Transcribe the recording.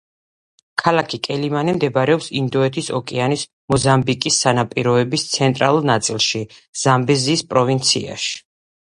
ქალაქი კელიმანე მდებარეობს ინდოეთის ოკეანის მოზამბიკის სანაპიროების ცენტრალურ ნაწილში, ზამბეზიის პროვინციაში.